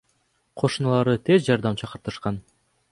Кошуналары тез жардам чакыртышкан.